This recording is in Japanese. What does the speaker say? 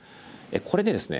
これでですね